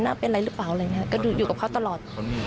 เป็นอะไรหรือเปล่าอะไรอย่างนี้ก็อยู่กับเขาตลอด